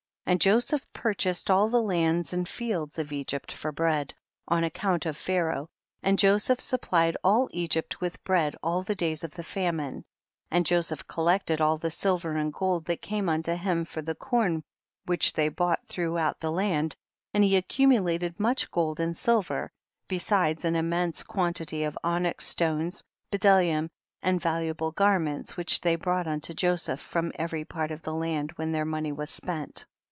30. And Joseph purchased all the lands and fields of Eygpt for bread 180 THE BOOK OF JASHER. on the account of Pharaoh, and Jo seph supphed all Egypt with bread all the days of the famine, and Jo seph collected all the silver and gold that came unto him for the corn which they bought throughout the land, and he accumulated much gold and silver, besides an immense quantity of onyx stones, bdellium and valuable garments which they brought unto Joseph from every part of the land when their money was spent.